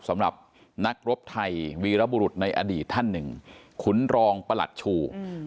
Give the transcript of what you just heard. สำหรับนักรบไทยวีรบุรุษในอดีตท่านหนึ่งขุนรองประหลัดชู